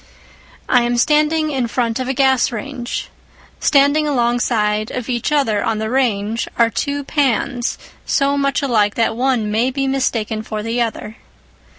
I am standing in front of a gas range. Standing alongside of each other on the range are two pans so much alike that one may be mistaken for the other.